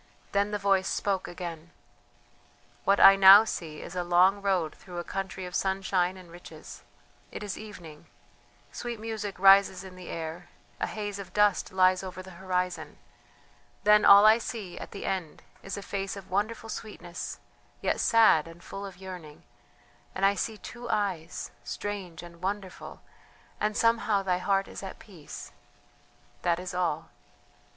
Then the voice spoke again: "What I now see is a long road through a country of sunshine and riches it is evening, sweet music rises in the air, a haze of dust lies over the horizon; then all I see, at the end, is a face of wonderful sweetness, yet sad and full of yearning and I see two eyes ... strange and wonderful, and somehow thy heart is at peace.... That is all."